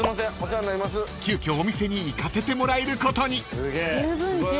［急きょお店に行かせてもらえることに］